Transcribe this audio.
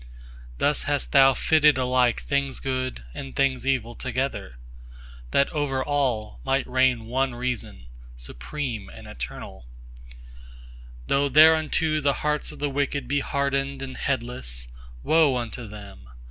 Thus hast Thou fitted alike things good and things evil together, That over all might reign one Reason, supreme and eternal; Though thereunto the hearts of the wicked be hardened and headless—20Woe unto them!